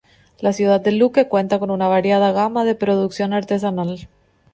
La ciudad de Luque cuenta con una variada gama de producción artesanal.